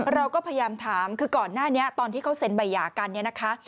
เราก็พยายามถามคือก่อนหน้านี้ตอนที่เขาเซ็นใบหย่ากันเนี่ยนะคะ